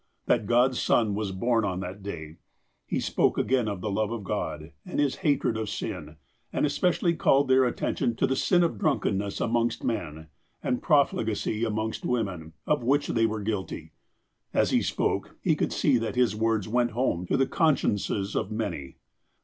That God's Sou was born on that day. He spoke again of the love of God, and His hatred of sin, and especially called their attention to the sin of drunkenness amongst men, and profligacy amongst women, of which they were guilty. As he spoke, he could see that his words went home to the consciences of many.